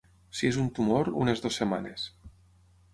Si és un tumor, unes dues setmanes.